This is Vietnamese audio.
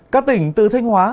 các tỉnh từ thanh hóa